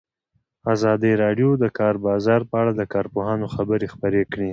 ازادي راډیو د د کار بازار په اړه د کارپوهانو خبرې خپرې کړي.